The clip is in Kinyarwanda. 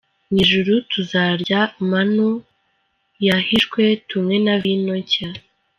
Mu ijuru tuzarya manu yahishwe, tunywe na vino nshya.